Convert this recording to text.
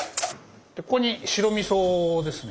ここに白みそですね。